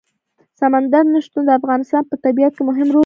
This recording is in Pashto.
سمندر نه شتون د افغانستان په طبیعت کې مهم رول لري.